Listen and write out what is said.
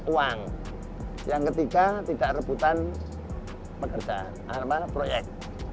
uang yang ketiga tidak rebutan pekerjaan proyek